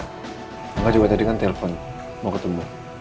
enggak juga tadi kan telpon mau ketemu